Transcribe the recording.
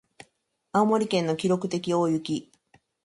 青森県の記録的大雪